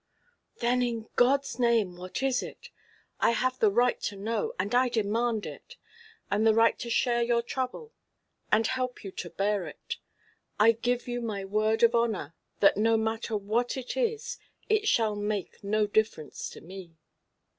"Then, in God's name, what is it? I have the right to know, and I demand it; and the right to share your trouble and help you to bear it. I give you my word of honour that, no matter what it is, it shall make no difference to me."